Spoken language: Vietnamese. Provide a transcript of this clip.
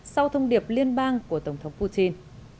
sau thông điệp liên bang của tổng thống putin